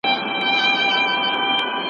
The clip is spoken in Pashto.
ما دغه مهم پېغام ټولو ته ورسوی.